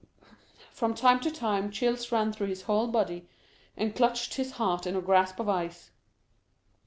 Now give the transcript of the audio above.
From time to time chills ran through his whole body, and clutched his heart in a grasp of ice.